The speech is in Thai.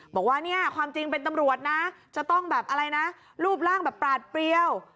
บอกว่าความจริงเป็นตำรวจนะจะต้องรูปร่างปลาดเปรี้ยว